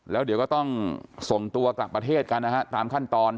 แล้วเดี๋ยวก็ต้องส่งตัวกลับประเทศกันนะฮะตามขั้นตอน